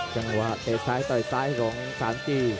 จังหวะเตะสา